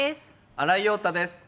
新井庸太です。